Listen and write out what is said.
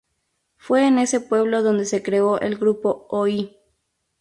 Fue en ese pueblo donde se creó el grupo Oi!